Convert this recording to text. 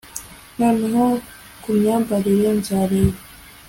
noneho, kumyambarire nzareba